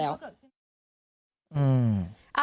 อื้อ